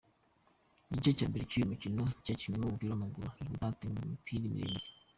Igice cya mbere cy’uyu mukino cyakinwemo umupira w’imbaraga wihuta haterwa imipira miremire.